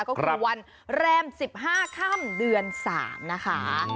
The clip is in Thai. ก็คือวันแรม๑๕ค่ำเดือน๓นะคะ